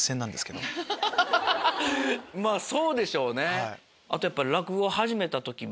まぁそうでしょうね。